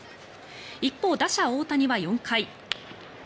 一方、打者・大谷は４回。